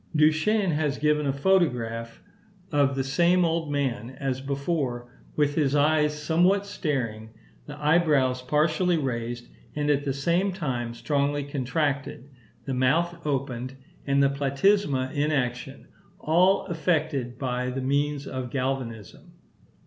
Duchenne has given a photograph (fig. 21) of the same old man as before, with his eyes somewhat staring, the eyebrows partially raised, and at the same time strongly contracted, the mouth opened, and the platysma in action, all effected by the means of galvanism.